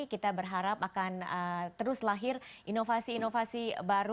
kita berharap akan terus lahir inovasi inovasi baru